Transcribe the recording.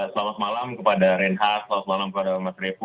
selamat malam kepada ren ha selamat malam kepada mas repo